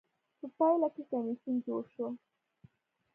په پایله کې کمېسیون جوړ شو.